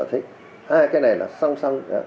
hai cái này là song song